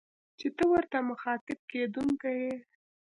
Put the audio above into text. چي ته ورته مخاطب کېدونکی يې